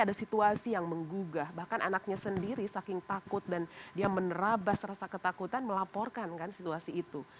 ada situasi yang menggugah bahkan anaknya sendiri saking takut dan dia menerabas rasa ketakutan melaporkan kan situasi itu